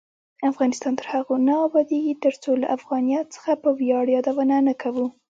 افغانستان تر هغو نه ابادیږي، ترڅو له افغانیت څخه په ویاړ یادونه نه کوو.